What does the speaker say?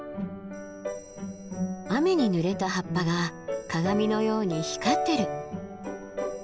雨にぬれた葉っぱが鏡のように光ってる。